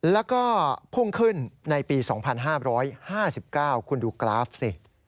แล้วก็พุ่งขึ้นในปี๒๕๕๙คุณดูกราฟสิ